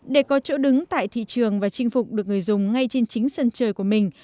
để có chỗ đứng tại thị trường và chinh phục được người dùng ngay trên chính sân trời của mình